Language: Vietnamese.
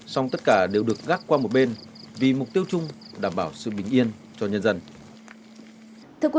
xong tất cả đều được gác qua một bên vì mục tiêu chung đảm bảo sự bình yên cho nhân dân thưa quý